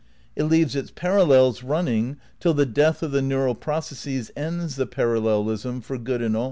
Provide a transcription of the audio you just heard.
It leaves its parallels running till the death of the neural processes ends the parallelism for good and aU.